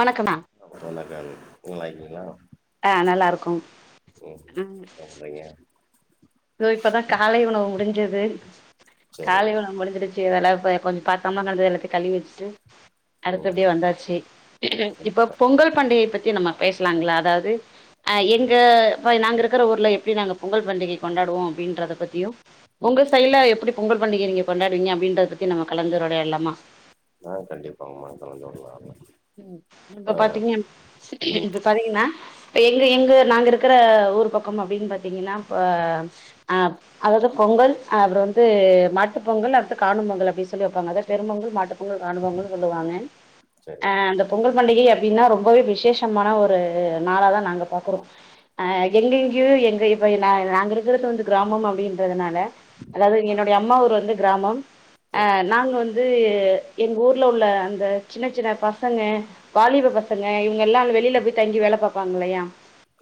வணக்கமா வணக்கங்க நல்லாருக்கிங்ளா ஆ நல்லா இருக்கோம் ம் என்ன பண்றீங்க தோ இப்பதா காலை உணவு முடிஞ்சது காலை சேரிங்க உணவு முடிஞ்சிருச் சு இதல்லா ப கொஞ்சொ பாத்தரம்லா கெடந்தது எல்லாத்தையு கழுவி வச்சிட்டு அடுத்து ம் அப்டியே வந்தாச்சு இப்ப கண்டிப்பா பொங்கல் பண்டிகைய பத்தி நம்ம பேசலாங்களா அதாவது அ எங்க ப்ப நாங்க இருக்குற ஊர்ல எப்டி நாங்க பொங்கல் பண்டிகை கொண்டாடுவோ அப்டின்றத பத்தியு ஒங்க சைல எப்டி பொங்கல் பண்டிக நீங்க கொண்டாடுவீங்க அப்டின்றத பத்தி நம்ம கலந்துரையாடல்லாமா ஆ கண்டிப்பாம்மா கலந்துரலாடலா ம் இப்ப பாத்தீங்க ம் இப்ப பாத்தீங்கன்னா ப்ப எங்க எங்க நாங்க இருக்கிற ஊர் பக்கம் அப்டின்னு பாத்தீங்கன்னா இப்ப ஆ அதாவது பொங்கல் அப்றோ வந்து மாட்டு பொங்கல் அடுத்து காணும் பொங்கல் அப்டின்னு சொல்லி வைப்பாங்க அதா பெரும் பொங்கல் மாட்டு பொங்கல் காணும் பொங்கல் சொல்லுவாங்க சேரிங்க அ அந்த பொங்கல் பண்டிகை அப்டின்னா ரொம்பவே விசேஷமான ஒரு நாளாதா நாங்க பாக்குறோ ஆ எங்க எங்கயோ எங்க இப்ப நா நாங்க இரு க்குறது வந்து கிராமம் அப்டின்றதுனால அதாவது என்னுடைய அம்மா ஊர் வந்து கிராமம் அ சேரிங்க நாங்க வந்து எங்க ஊர்ல உள்ள அந்த சின்ன சின்ன பசங்க வாலிப பசங்க இவங்க எல்லா ந்த வெளில போய் தங்கி வேல பாப்பாங்க இல்லையா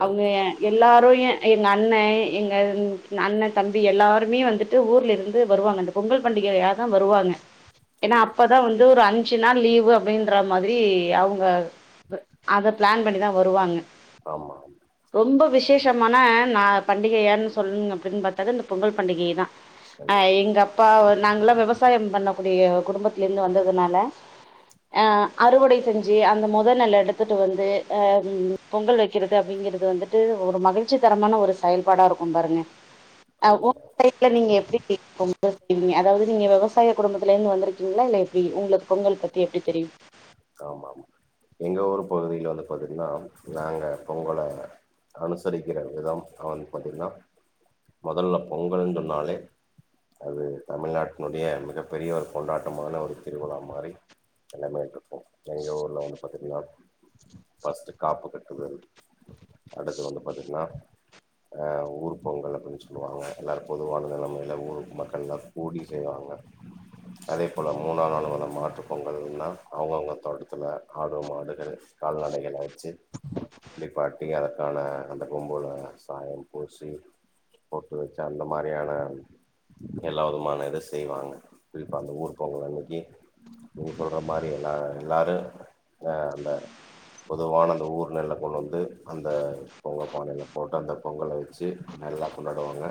அவங்க கண்டிப்பா எல்லாரு எ எங்க அண்ணே எங்க ம் அண்ண தம்பி எல்லாருமே வந்துட்டு ஊர்ல இருந்து வருவாங்க அந்த பொங்கல் பண்டிகையையாதா வருவாங்க ஏனா கண்டிப்பா அப்பதா வந்து ஒரு அஞ்சு நாள் லீவு் அப்டின்ற மாதிரி அவங்க அத பிளான் பண்ணிதா வருவாங்க ஆமா ஆமா ரொம்ப விசேஷமான நா பண்டிகையான்னு சொல்லுங்க அப்டின்னு பாத்தாக இந்த பொங்கல் பண்டிகைதா அ கண்டிப்பா எங்க அப்பா நாங்கல்லா விவசாயோ பண்ணக்கூடிய குடும்பத்துல இருந்து வந்ததுனால அ அறுவடை செஞ்சு அந்த மொத நெல்லு எடுத்துட்டு வந்து அம் பொங்கல் வைக்கிறது அப்டிங்கறது வந்துட்டு ஒரு மகிழ்ச்சி தரமான ஒரு செயல்பாடா இருக்கும் பாருங்க ஆ உ கண்டிப்பா உங்க வீட்ல நீங்க எப்டி பொங்கல் வைப்பீங்க அதாவது நீங்க விவசாய குடும்பத்துல இருந்து வந்திருக்கீங்களா இல்ல எப்டி உங்ளுக் பொங்கல் பத்தி எப்டி தெரியு ஆமாம் எங்க ஊர் பகுதியில வந்து பாத்தீங்கன்னா நாங்க பொங்கல அனுசரிக்கிற விதம் வந்து பாத்தீங்கன்னா மொதல்ல பொங்கல்னு சொன்னாலே அது தமிழ்நாட்டினுடைய மிக பெரிய ஒரு கொண்டாட்டமான ஒரு திருவிழா மாரி எல்லாமே இருக்கு எங்க ஊர்ல வந்து பாத் திங்னா ஃபஸ்ட் காப்பு கட்டுதல் அடுத்து வந்து பாத்தீங்கன்னா அ ஊர் பொங்கல் அப்டின்னு சொல்லுவாங்க எல்லாரு பொதுவான நிலைமையில ஊரு மக்கள்லா கூடி செய்வாங்க [inaudible] அதே போல மூணா நாளு வந்து மாட்டு பொங்கல்ன்னா அவுங்கவுங்க தோட்டத்துல ஆடு மாடுகள் கால்நடைகள்ல வச்சு குளிப்பாட்டி அதற்கான அந்த கொம்புல சாயம் பூசி பொட்டு வச்சு அந்த மாரியான எல்லா விதமான இது செய்வாங்க குறிப்பா அந்த ஊர் பொங்கல் அன்னிக்கு நீங்க சொல்ற மாரி எல்லா எல்லாரு அ அந்த பொதுவான அந்த ஊர் நெல்ல கொண்டு வந்து அந்த பொங்கப் பானையில போட்டு அந்த பொங்கல வச்சு நல்லா கொண்டாடுவாங்க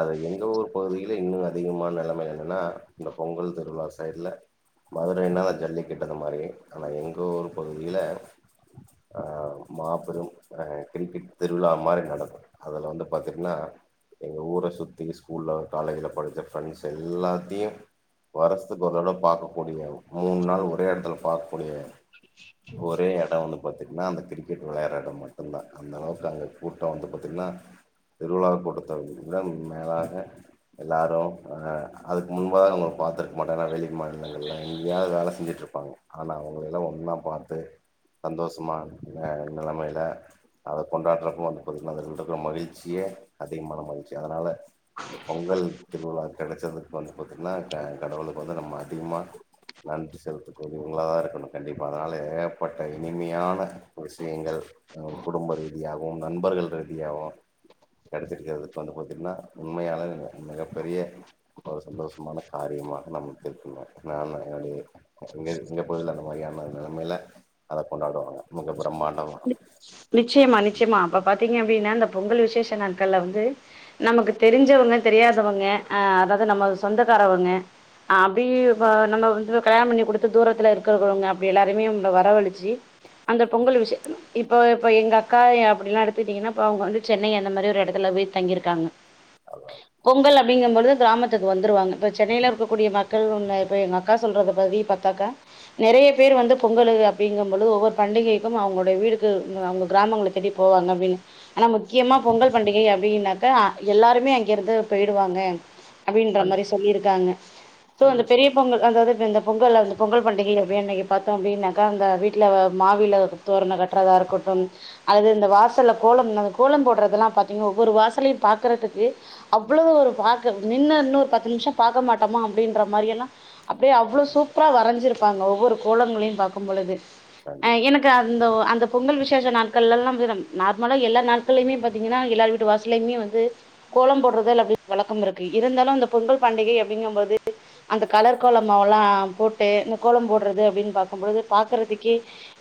அது எங்க ஊர் பகுதியில இன்னு அதிகமான நெலமை என்னன்னா இந்த பொங்கல் திருவிழா சைடுல மதுரைனால ஜல்லிக்கட்டு அந்த மாரி ஆனா எங்க ஊர் பகுதியில ஆ மாபெரும் அ கிரிக்கெட் திருவிழா மாரி நடக்கு அதுல வந்து பாத்தீங்கன்னா எங்க ஊர சுத்தி ஸ்கூல்ல காலேஜ்ல படித்த ஃப்ரெண்ட்ஸ் எல்லாத்தையு வருஷத்துக்கு ஒரு தடவ பாக்கக்கூடிய மூணு நாள் ஒரு ஒரே இடத்துல பாக்கக்கூடிய ஒரே எடோ வந்து பாத்தீங்கன்னா அந்த கிரிக்கெட் விளையாடுற இடம் மட்டுதா அந்த அளவுக்கு அங்க கூட்டோ வந்து பாத்தீங்கன்னா திருவிழா கூட்டத்த விட மேலாக எல்லாரு அ அதுக்கு முன்பாக நம்ப அவுங்கள பாத்துருக்க மாட்டோ ஏனா வெளிக் மாநிலங்கள்ல எங்கயாவது வேல செஞ்சுட்டுரு இருப்பாங்க ஆனா அவுங்களைல்லா ஒன்னா பாத்து சந்தோஷமா நிலைமையில அத கொண்டாடுறப்ப வந்த பாத்தீங்கன்னா அதுல இருக்கிற மகிழ்ச்சியே அதிகமான மகிழ்ச்சி அதனால இந்த பொங்கல் திருவிழா கிடைச்சது வந்து பாத்தீங்கன்னா க கடவுளுக்கு வந்து நம்ம அதிகமா நன்றி செலுத்து இவுங்களா இருக்கணு கண்டிப்பா அதனால ஏப்பட்ட இனிமையான விஷயங்கள் நம்ம குடும்ப ரீதியாகவு நண்பர்கள் ரீதியாகவு கிடைச்சிருக்கு அது வந்து பாாரத்தீங்கன்னா உண்மையானதுங்க மிகப்பெரிய ஒரு சந்தோஷமான காரியம நமக்கு இருக்கணு நால்லா என்னுடைய இங்க எங்க பகுதியில அந்த மாதிரியான நிலைமையில அத கொண்டாடுவாங்க மிக பிரம்மாண்டமா நிச்சயமா நிச்சயமா அப்ப பாத்தீங்க அப்டின்னா இந்த பொங்கல் விசேஷ நாட்கள்ளல வந்து நமக்கு தெரிஞ்சவங்க தெரியாதவங்க ஆ அதாவது நம்ம சொந்தக்காரவங்க அப்டி இப்ப நம்ம வந்து கல்யாணம் பண்ணி கொடுத்து தூரத்துல்ல இருக்கிறவங்க அப்டி எல்லாருமே நம்பள வரவலிச்சு அந்த பொங்கல் விஷ இப்போ இப்போ எங்க அக்கா எ அப்படில்லா எடுத்துக்கிட்டீங்கன்னா இப்ப அவுங்க வந்து சென்னை அந்த மாரி ஒரு இடத்துல வ தங்கிருக்காங்க ஆமா பொங்கல் அப்படிங்கும்பது கிராமத்துக்கு வந்துருவாங்க இப்ப சென்னையில இருக்கக்கூடிய மக்கள் வந்து இப்ப எங்க அக்கா சொல்றத பதி பாக்க நறைய பேர் வந்து பொங்கலு அப்படிங்கும்பொழுது ஒவ்வொரு பண்டிகைக்கு அவுங்களுடைய வீடுக்கு அவுங்க கிராமங்களை தேடி போவாங்க அப்டின்னு ஆனா முக்கியமா பொங்கல் பண்டிகை அப்டின்னாக்க எல்லாருமே அங்கிருந்து போயிடுவாங்க அப்டின்ற மாரி கண்டிப் சொல்லியிருக்காங்க சோ அந்த கண்டிப்பா பெரிய பொங்கல் அதாவது இப்ப இந்த பொங்கல் அந்த பொங்கல் பண்டிகை அப்படியனு இன்னைக்கு பாரனத்தோம் அப்டின்னாக்கா அந்த வீ்ட்ல மாவில தோரண கற்றதா இருக்கட்டு அது இந்த வாசல்ல கோலம் அந்த கோலம் போடுறதெல்லா பாத்தீங்கா ஒவ்வொரு வாசலையும் பாக்குறதுக்கு அவ்ளோ ஒரு பாக்க நின்ன இன்னு ஒரு பத்து நிமிஷம் பாக்க மாட்டமா அப்டின்ற மாரி எல்லா அப்டியே அவ்ளோ சூப்பரா வரைஞ்சிருப்பாங்க ஒவ்வொரு கோலங்களையு பாக்கு பொழுது கண்டிப்பா எனக்கு அந்த அந்த பொங்கல் விசேஷ நாட்கள்ல்லலா நார்மலா எல்லா நாட்களுமே பாத்தீங்கன்னா எல்லார் வீட்டு வாச லயுமே வந்து கோலம் போடுறதல் அப்டி வழக்க இருக்கு இருந்தாலு அந்த பொங்கல் பண்டிகை அப்படிங்குபோது அந்த கலர் கோலமாவுல்லா போட்டு இந்த கோலம் போடுறது அப்டின் பாக்கு போது பாக்கறதுக்கே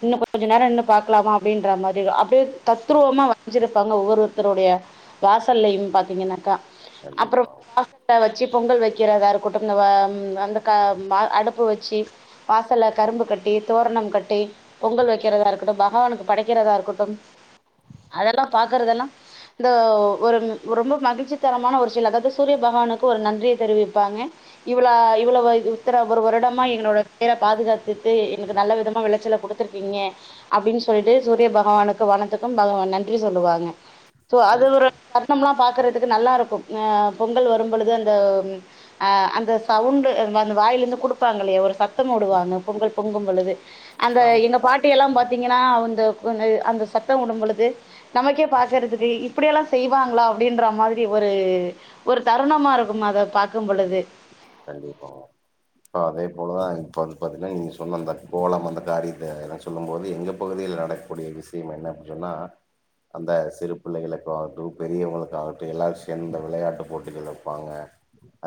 இன்னும் கொஞ்சோ நேர நின்னு பாக்கலாமா அப்டின்ற மாரி அப்டியே கண் தத்ருவமா வச்சுருப்பாங்க ஒவ்வொரு ஒருத்தருடைய வாசல்லையு பாத்தீங்கன்னாக்கா அப்றமா கண்டிப்பா கட்ட வச்சு பொங்கல் வைக்கிறதா இருக்கட்டு வ ம் அந்த க ம் ஆ அடுப்பு வச்சு வாசல்ல கரும்பு கட்டி தோரண கட்டி பொங்கல் வைக்கிறதா இருக்கட்டு பகவானுக்கு படைக்கிறதா இருக்கட்டும் அதெல்லா பாக்கறதெல்லா இந்த ஒரு ரொம்ப மகிழ்ச்சி தரமான ஒரு சில அதாவது சூரிய பகவானுக்கு ஒரு நன்றிய தெரிவிப்பாங்க இவ்ள இவ்ளவு இத்தன ஒரு வருடமா எங்களோட பேர பாதுகாத்துட்டு எனக்கு நல்ல விதமா விளைச்சல குடுத் துருக்கீங்க அப்டின்னு சொல்ட்டு சூரிய பகவானுக்கு வனத்துக்கு பகவான் நன்றி சொல்லுவாங்க ஸோ அது கண் ஒரு தர்ணம்லா பாக்குறதுக்கு நல்லாருக்கு பொங்கல் வரும் பொழுது அந்த அ் அந்த சவுண்டு அந்த வாயில இருந்து குடுப்பாங்கல்லையா ஒரு சத் த்த போடுவாங்க பொங்கல் பொங்கு பொழுது அந்த ஆமா எங்க பாட் குட்டிகல்லா பாத்தீங்கனா அந்த அந்த சத்தம் விடும் பொழுது நமக்கே பாசறதுக்கு இப்டியெல்லா செய்வாங்களா அப்டின்ற மாரி ஒரு ஒரு தருணமா இருக்கு அத பாக்கு பொழுது கண்டிப்பாவு இப்போ அதே போலதா இப்ப அது பாத்தீன்னா நீங்க சொன்ன அந்த கோலம் அந்த காரிய தேவையல்லா சொல்லும் போது எங்க பகுதில நடக்கக்கூடிய விஷயம் என்ன அப்டின் சொன்னா அந்த சிறு பிள்ளைகளுக்காகட்டு பெரியவங்களுக்காகட்டுஎல்லாரு சேந்த விளையாட்டு போட்டிகள் வைப்பாங்க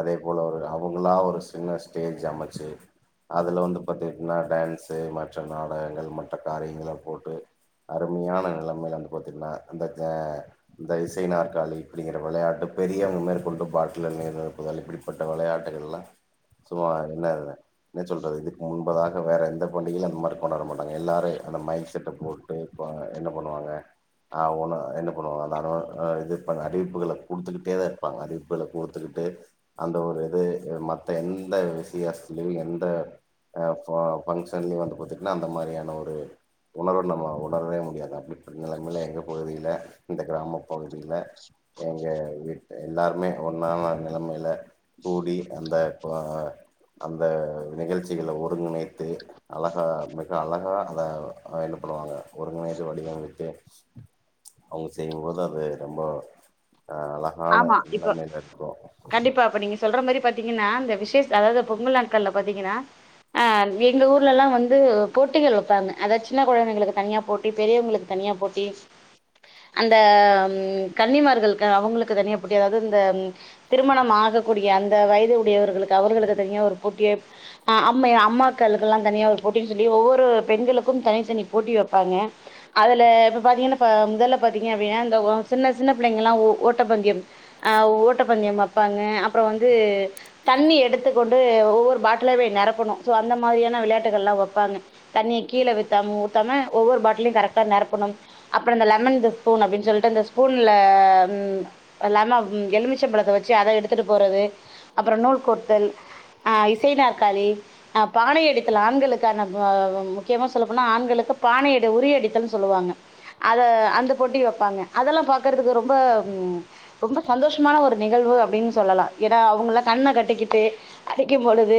அதே போல ஒரு அவங்களா ஒரு சின்ன ஸ்டேஜ் அமைச்சு அதுல வந்து பாத்துகிட்னா டான்ஸ்ஸு மற்ற நாடகங்கள் மற்ற காரியங்கள போட்டு அருமையான நிலைமைல வந்து பாத்திங்கன்னா அந்த க இந்த இசை நாற்காலி இப்டிங்கிற விளையாட்டு பெரிய மேற்கொண்டு பாட்டிலில் நீர் நிரப்புதல் இப்டிப்பட்ட விளையாட் இதெல்லா சும்மா என்ன இருந்த என்ன சொல்றது இதுக்கு முன்பதாக வேற எந்த பண்டிகையு அந்த மாரி கொண்டாட மாட்டாங்க எல்லாரு அந்த மைக் செட்ட போ ப்ப என்ன பண்ணுவாங்க ஆ ஒனா என்ன பண்ணுவாங்க அதா இது ப அறிவிப்புகள குடுத்துக்கிட்டே தா இருப்பாங்க அறிவிப்புகளை குடுத்துக்கிட்டு அந்த ஒரு இது மத்த எந்த விசயச எந்த ஃபங்க்ஷன்லயு வந்து பாத்தீங்கன்னா அந்த மாரியான ஒரு உணர்வு நம்ம உணரவே முடியாது அப்டி பண்ணுறாங்களே எங்க பகுதில இந்த கிராம பகுதில எங்க வீட்டு எல்லாருமே ஒன்னான நிலமைல கூடி அந்த இப்ப அந்த நிகழ்ச்சிகள ஒருங்கிணைத்து அழகா மிக அழகா அத என்ன பன்னுவாங்க ஒருங்கிணைந்து வடிவமைத்தே அவங்க செய்யுபோது அது ரொம்ப அ அழகான ஆமா இப்போ நிலமைல இருக்கு கண்டிப்பா இப்ப நீங்க சொல்ற மாரி பாத்தீங்கன்னா இந்த விசேஷ அதாவது பொங்கல் நாட்கள்ல பாத்தீங்கன்னா ஆ எங்க ஊர்லல்லா வந்து போட்டிகள் வப்பாங்க அதா சின்ன கொழந்தைங்களுக்கு தனியா போட்டி பெரியவங்களுக்கு தனியா போட்டி அந்த கன்னிமார்களுக்கு அவங்களுக்கு தனியா போட்டி அதாவது இந்த திருமணம் ஆகக்கூடிய அந்த வயது உடையவர்களுக்கு அவர்களுக்கு தனியா ஒரு போட்டிய அ அம்ம அம்மாக்களுக்குல்லா தனியா ஒரு போட்டின் சொல்லி ஒவ்வொரு பெண்களுக்கு தனித்தனி போட்டி வப்பாங்க அதுல இப்ப பாத்தீங்னா முதல்ல பாத்தீங்க அப்டின்னா இந்த சின்ன சின்ன பிள்ளைங்கல்லா ஒ ஓட்டப்பந்தயம் அ ஓட்டப்பந்தயம் வப்பாங்க அப்பற வந்து தண்ணி எடுத்துக்கொண்டு ஒவ்வொரு பாட்டில போய் நெரப்பணு சோ அந்த மாரியான விளையாட்டுகள் எல்லா வப்பாங்க தண்ணிய கீழ வித்தாம ஊத்தாம ஒவ்வொரு பாட்டிலையு கரெக்டா நெரப்பணு அப்பற இந்த லெமன் இந்த ஸ்பூன் அப்டினு சொல்ட்டு அந்த ஸ்பூன்ல இல்லாம எலுமிச்சம்பழத்த வச்சு அத எடுத்துட்டு போறது அப்பற நூல் கோத்தல் ஆ இசை நாற்காலி ஆ பானைையடித்தல் ஆண்களுக்கான முக்கியமா சொல்ல போனா ஆண்களுக்கு பானைய உரி அடித்தல்ன்னு சொல்லுவாங்க அத அந்த போட்டி வப்பாங்க அதெல்லா பாக்குறதுக்கு ரொம்ப ரொம்ப சந்தோஷமான ஒரு நிகழ்வு அப்டின் சொல்லலா ஏன்னா அவங்களா கண்ண கட்டிக்கிட்டு அடிக்கும் பொழுது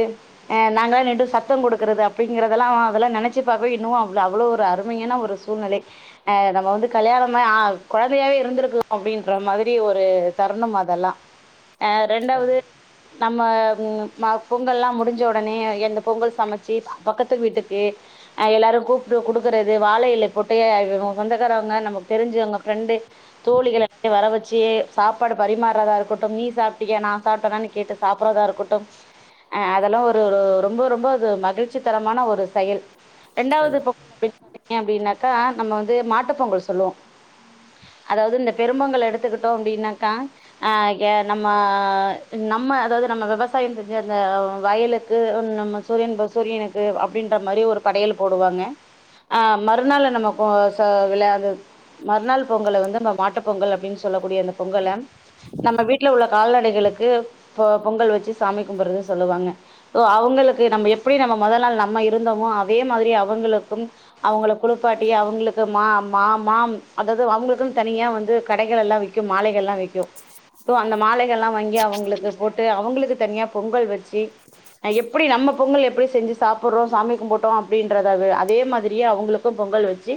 ஆ நாங்கல்லா நிண்டு சத்தம் குடுக்கறது அப்டிங்கறதெல்லா அதெல்லா நெனைச்சு பாக்கவே இன்னு அவ் அவ்ளோ ஒரு அருமையான ஒரு சூழ்நிலை நம்ம வந்து கல்யாணம் ஆயி கொழந்தையாவே இருந்திருக்கனோ அப்டின்ற மாரி அப்டி ஒரு தருணம் அதெல்லா அ ரெண்டாவது கண்டி நம்ம ம பொங்கல்லா முடிஞ்ச ஒடனே எந்த பொங்கல் சமைச்சு பக்கத்து வீட்டுக்கு அ எல்லாரு கூப்ட்டு குடுக்கறது வாழ இல போட்டு சொந்தக்காரவங்க நமக்கு தெரிஞ்சுவங்க ஃப்ரெண்டு தோழிகள் எல்லா வர வச் சி சாப்பாடு பரிமாறதா இருக்கட்டு நீ சாப்ட்டியா நா சாப்டனான் கேட்டு சாப்பறதா இருக்கட்டு அ அதெல்லா ஒரு ரொம்போ ரொம்போ அது மகிழ்ச்சி தரமான ஒரு செயல் ரெண்டாவது கண்டி பொங்கல் அப்டின்னு பாத்தீங்க அப்டின்னாக்கா நம்ம வந்து மாட்டு பொங்கல் சொல்லுவோ அதாவது இந்த பெரும்பொங்கல் எடுத்துக்கிட்டோ அப்டினாக்கா ஆ நம்ம நம்ம அதாவது நம்ம விவசாயம் செஞ்சு அந்த வயலுக்கு நம்ம சூரியன் சூரியனுக்கு அப்டின்ற மாரி ஒரு படையல் போடுவாங்க ஆ மறுநாள்ள நமக்கு விளையா மறுநாள் பொங்கல வந்து நம்ம மாட்டுப் பொங்கல் அப்டின்னு சொல்ல கூடிய அந்த பொங்கல நம்ம வீட்ல உள்ள கால்நடைகளுக்கு பொங்கல் வச்சு சாமி கும்புறது சொல்லுவாங்க சோ அவங்களுக்கு நம்ம எப்டி நம்ம மொத நாள் நம்ம இருந்தோமோ அதே மாதிரி அவங்களுக்கும் அவங்கள குளிப்பாட்டி அவங்களுக்கு மா மா மா அதாவது அவங்களுக்கு தனியா வந்து கடை கள் எல்லா விக்கு மாலைகள் எல்லா விக்கு சோ அந்த மாலைகள் எல்லா வாங்கி அவங்களுக்கு போட்டு அவங்களுக்கு தனியா பொங்கல் வச்சு அ எப்டி நம்ம பொங்கல் எப்டி செஞ்சு சாப்புட்றோ சாமி கும்புட்டோ அப்டின்றத அதே மாதிரியே அவங்களுக் கு பொங்கல் வச்சு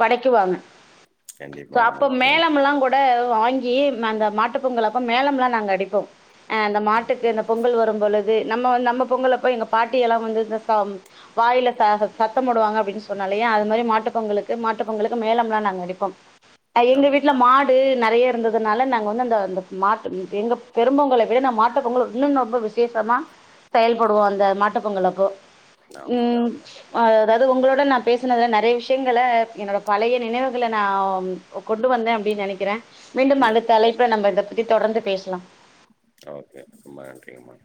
படைக்குவாங்க சோ கண்டிப்பாங்கம்மா அப்ப மேலம் எல்லா கொட் ட வாங்கி அந்த மாட்டு பொங்கல் அப்ப மேலம்லாம் நாங்க அடிப்போ அ அந்த மாட்டுக்கு அந்த பொங்கல் வரும் பொழுது நம்ம நம்ம பொங்கல் அப்போ எங்க பாட்டி எல்லா வந்து இந்த சௌண் வாயில ச சத்தம் போடுவாங்க அப்டின் சொன்னலைய அது மாரி மாட்டு பொங்கலுக்கு மாட்டு பொங்கலுக்கு மேலம்லாம் நாங்க அடிப்போ எங்க ஆமா வீட்ல மாட் து நறையா இருந்ததுனால நாங்க வந்து அந்த அந்த மாட்டுக் எங்க பெரும்பொங்கல விட நா மாட்டுப்பொங்கல் இன்னு ரொம்ப விஷே விசேஷமா செயல்படுவோ அந்த மாட்டு பொங்கல் அப்போ ஆமா அதாவது உங்களோட நா பேசுனதுல நறைய விஷயங்கள என்னோட பழைய நினைவுகள நா கொண்டு வந்த அப்பிடின்னு நனைக்ற மீண்டும் அடுத்த தலைப்புல நம்ம இத பத்தி தொடர்ந்து பேசலா ஓகே ரொம்ப நன்றிங்கம்மா